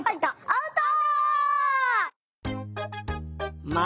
アウト！